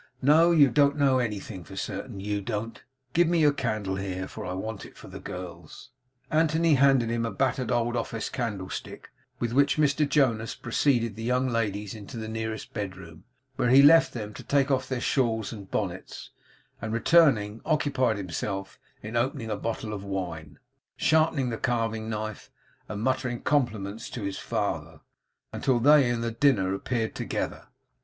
'No. You don't know anything for certain, YOU don't. Give me your candle here. I want it for the gals.' Anthony handed him a battered old office candlestick, with which Mr Jonas preceded the young ladies to the nearest bedroom, where he left them to take off their shawls and bonnets; and returning, occupied himself in opening a bottle of wine, sharpening the carving knife, and muttering compliments to his father, until they and the dinner appeared together.